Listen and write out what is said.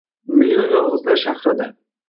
Million yolg’izlar shahrida